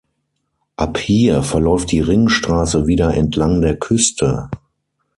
Ab hier verläuft die Ringstraße wieder entlang der Küste.